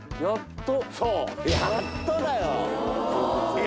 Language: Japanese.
そうやっとだよ！